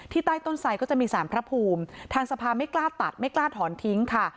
ใต้ต้นไสก็จะมีสารพระภูมิทางสภาไม่กล้าตัดไม่กล้าถอนทิ้งค่ะ